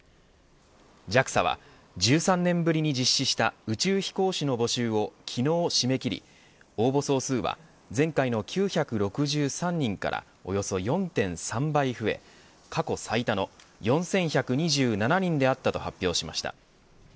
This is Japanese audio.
ＪＡＸＡは１３年ぶりに実施した宇宙飛行士の募集を昨日締め切り応募総数は前回の９６３人からおよそ４．３倍増え過去最多の４１２７人であったと発表しました。